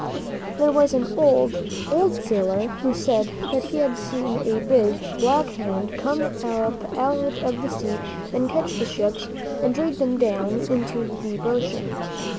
There was an old, old sailor who said that he had seen a big, black hand come up out of the sea and catch the ships and drag them down into the deep ocean.